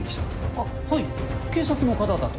あっはい警察の方だと。